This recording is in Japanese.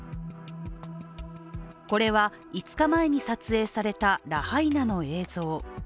これは５日前に撮影されたラハイナの映像。